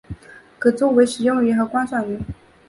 可作为食用鱼和观赏鱼。